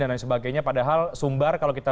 dan lain sebagainya padahal sumbar kalau kita